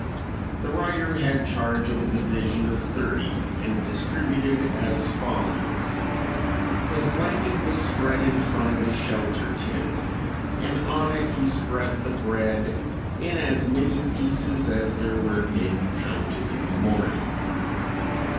The writer had charge of a division of thirty and distributed as follows: His blanket was spread in front of his shelter tent and on it he spread the bread in as many pieces as there were men counted in the morning.